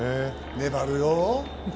粘るよ。